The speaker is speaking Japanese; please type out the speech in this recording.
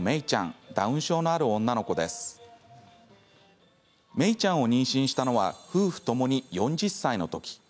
めいちゃんを妊娠したのは夫婦ともに４０歳のとき。